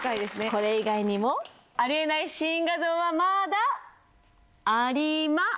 これ以外にもありえないシーン画像はまだあります。